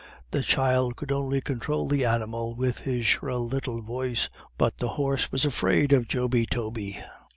The child could only control the animal with his shrill little voice, but the horse was afraid of Joby Toby.